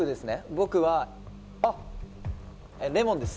僕はあっレモン？